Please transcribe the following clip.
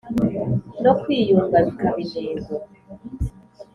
no kwiyunga bikaba intego